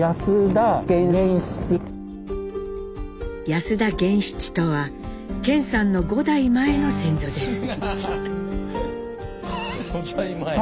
安田源七とは顕さんの５代前の先祖です。